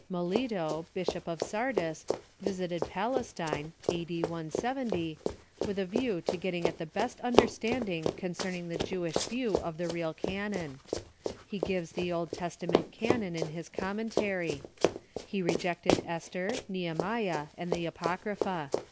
Melito, Bishop of Sardis, visited Palestine (a.d, 170) with a view to getting at the best under standing concerning the Jewish view of the real canon. He gives the Old Testament canon in his commentary. He reject ed Esther, Nehemiah, and the Apocrypha.